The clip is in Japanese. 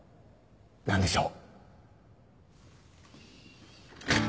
何でしょう？